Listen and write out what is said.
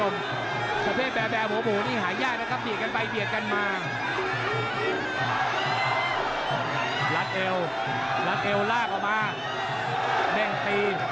แล้วเกลลาก